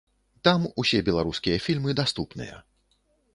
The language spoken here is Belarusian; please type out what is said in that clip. Там ўсе беларускія фільмы даступныя.